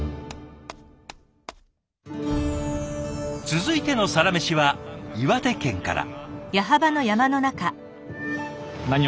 続いてのサラメシは岩手県から。